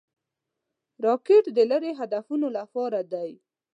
راکټ د لیرې هدفونو لپاره دی